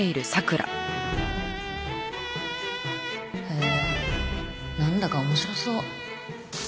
へえなんだか面白そう。